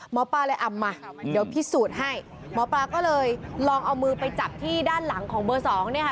หมอปลาเลยอำมาเดี๋ยวพิสูจน์ให้หมอปลาก็เลยลองเอามือไปจับที่ด้านหลังของเบอร์สองเนี่ยค่ะ